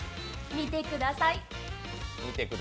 見てください。